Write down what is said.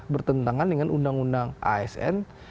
bertentangan dengan undang undang asn